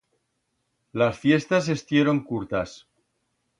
Las fiestas estieron curtas.